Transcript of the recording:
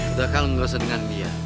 udah kal ngerasa dengan dia